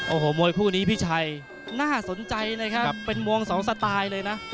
โอ้โหมวยคู่นี้พี่ชัยน่าสนใจนะครับเป็นวงสองสไตล์เลยนะ